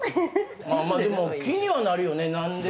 でも気にはなるよね何で。